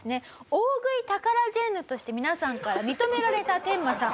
大食いタカラジェンヌとして皆さんから認められたテンマさん。